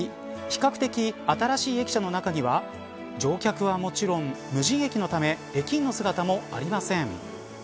比較的、新しい駅舎の中には乗客はもちろん無人駅のため駅員の姿もありません。